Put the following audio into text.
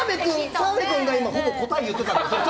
澤部君が今ほぼ答え言ってたから。